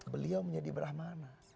beliau menjadi brahmana